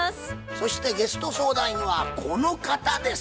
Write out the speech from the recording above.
そしてゲスト相談員はこの方です。